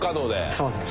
そうです。